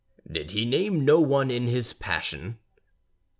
"Did he name no one in his passion?"